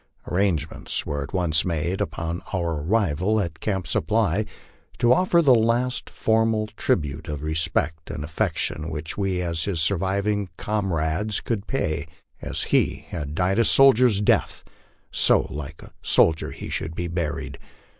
Arrangements were at once made, upon our arrival at Camp Supply, to offer the last formal tribute of respect and affection which we as his surviving comrades could pay. As he had died a soldier's death, so like a soldier he should be buried.